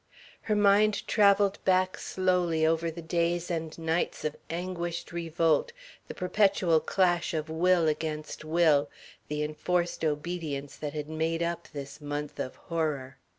Her mind travelled back slowly over the days and nights of anguished revolt, the perpetual clash of will against will, the enforced obedience that had made up this month of horror.